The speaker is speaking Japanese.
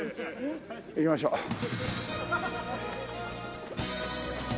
行きましょう。